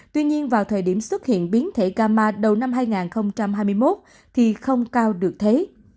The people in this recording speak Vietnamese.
tuy nhiên vào thời điểm xuất hiện biến thể ca ma đầu năm hai nghìn hai mươi một thì không cao được thế